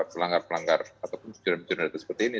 pelanggar pelanggar ataupun jurnal jurnal seperti ini